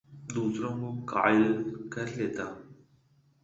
دوسروں کو قائل کر لیتا ہوں